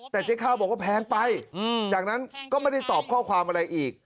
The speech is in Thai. แต่เจ๊ข้าวบอกว่าแพงไปจากนั้นก็ไม่ได้ตอบข้อความอะไรอีก